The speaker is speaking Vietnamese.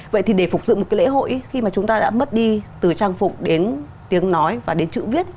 vậy thì để phục dựng một cái lễ hội khi mà chúng ta đã mất đi từ trang phục đến tiếng nói và đến chữ viết